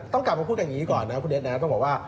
ต้องกลับมาพูดอย่างนี้ก่อนคุณเอชแนตช์ก็บอกว่า